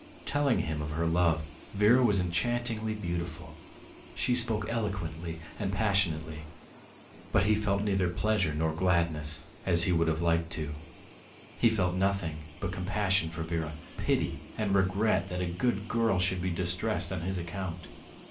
... Telling him of her love, Vera was enchantingly beautiful; she spoke eloquently and passionately, but he felt neither pleasure nor gladness, as he would have liked to; he felt nothing but compassion for Vera, pity and regret that a good girl should be distressed on his account.